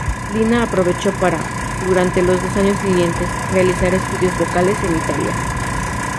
Lina aprovechó para, durante los dos años siguientes, realizar estudios vocales en Italia.